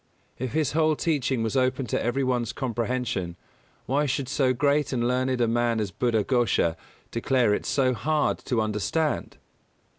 If his whole teaching was open to every one's comprehension why should so great and learned a man as Buddha Ghosha declare it so hard to understand?